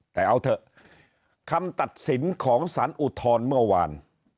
แต่เอาเถอะคำตัดสินของสารอุทธรณ์เมื่อวาน